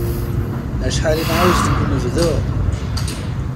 Acḥal i nεawez deg unebdu!